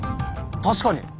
確かに。